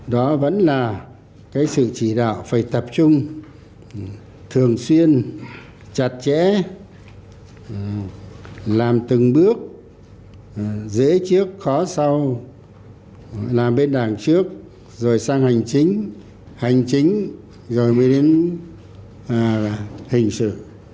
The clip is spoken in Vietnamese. đó vẫn là cái sự chỉ đạo phải tập trung thường xuyên chặt chẽ làm từng bước dễ trước khó sau làm bên đảng trước rồi sang hành chính hành chính rồi mới đến hình sự